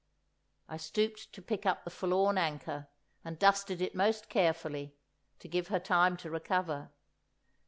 I stooped to pick up the forlorn anchor, and dusted it most carefully, to give her time to recover.